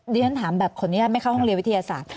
ดิฉันถามแบบคนนี้ไม่เข้าห้องเรียนวิทยาศาสตร์